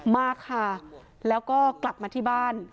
มาค่ะแล้วก็กลับมาที่บ้าน